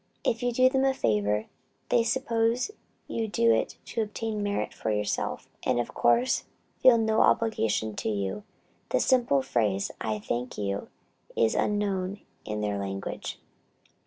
If you do them a favor, they suppose you do it to obtain merit for yourself, and of course feel no obligation to you; the simple phrase, "I thank you," is unknown in their language.